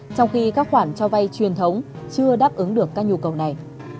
trong khi các khoản cho vay truyền thống chưa đáp ứng được các nhu cầu này